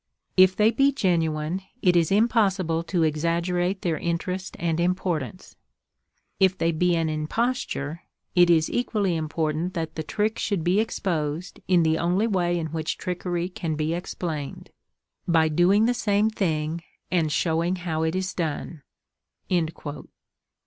If they be genuine, it is impossible to exaggerate their interest and importance. If they be an imposture it is equally important that the trick should be exposed in the only way in which trickery can be explained—by doing the same thing, and showing how it is done."